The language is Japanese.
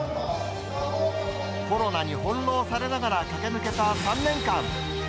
コロナに翻弄されながら駆け抜けた３年間。